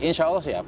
insya allah siap